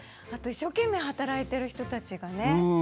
あと一生懸命働いてる人たちがね